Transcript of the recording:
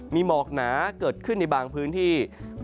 มีหมอกหนาเกิดขึ้นในบางพื้นที่